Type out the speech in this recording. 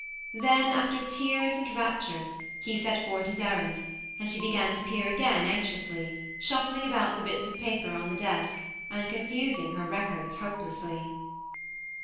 Then, after tears and raptures, he set forth his errand, and she began to peer again anxiously, shuffling about the bits of paper on the desk, and confusing her records hope lessly.